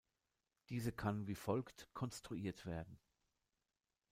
Diese kann wie folgt konstruiert werden.